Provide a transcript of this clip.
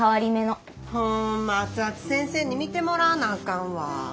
ホンマ熱々先生に診てもらわなあかんわ。